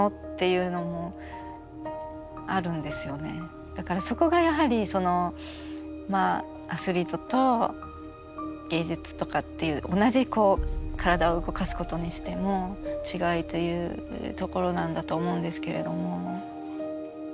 ただやはりだからそこがやはりアスリートと芸術とかっていう同じこう体を動かすことにしても違いというところなんだと思うんですけれども。